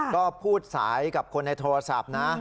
ก็พูดสายกับคนในโทรศัพท์นะ